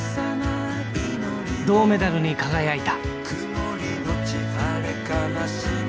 銅メダルに輝いた。